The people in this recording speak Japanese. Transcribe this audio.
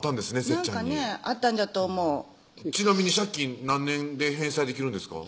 せっちゃんにあったんじゃと思うちなみに借金何年で返済できるんですか？